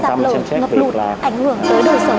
tại một số tỉnh phía bắc gây sạc lồng